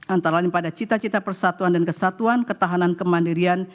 antara lain pada cita cita persatuan dan kesatuan ketahanan kemandirian